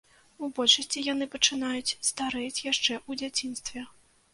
У большасці яны пачынаюць старэць яшчэ ў дзяцінстве.